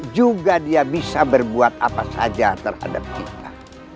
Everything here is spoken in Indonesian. juga dia bisa berbuat apa saja terhadap kita